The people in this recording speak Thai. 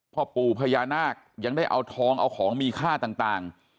พ่อปู่พญานาคยังได้เอาทองเอาของมีค่าต่าง